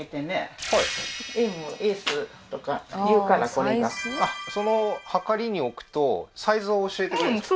これあっそのはかりに置くとサイズを教えてくれるんですか？